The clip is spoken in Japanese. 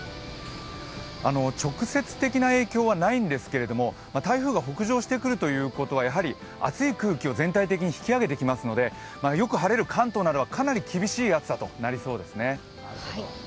直接的な影響はないんですけれども台風が北上してくるということは熱い空気を全体的に引き上げてきますのでよく晴れる関東などはかなり厳しい暑さとなりそうですね。